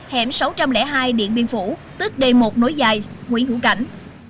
hẻm sáu trăm linh hai điện biên phủ tức d một nối dài nguyễn hữu cảnh